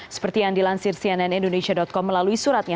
seperti yang dilansir cnn indonesia com melalui suratnya